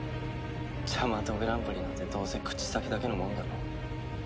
ジャマトグランプリなんてどうせ口先だけのもんだろ。